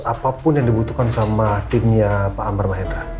apapun yang dibutuhkan sama timnya pak amar sama hendra